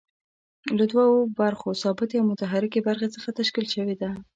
له دوو برخو ثابتې او متحرکې برخې څخه تشکیل شوې ده.